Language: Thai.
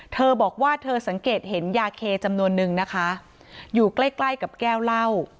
เธอบอกว่าเธอสังเกตเห็นยาเคจำนวนนึงนะคะอยู่ใกล้ใกล้กับแก้วเหล้า